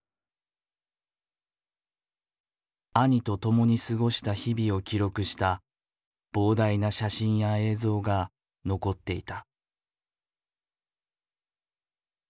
兄と共に過ごした日々を記録した膨大な写真や映像が残っていた。